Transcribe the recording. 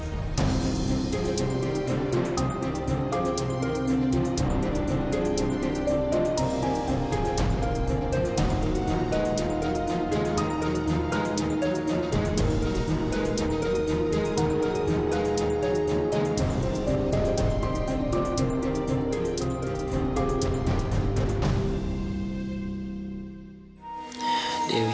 sampai jumpa lagi